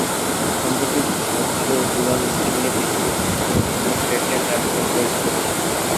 সম্প্রতি স্বচ্ছ ডুয়াল স্ক্রিনের একটি স্মার্টফোনের জন্য পেটেন্ট আবেদন করেছে প্রতিষ্ঠানটি।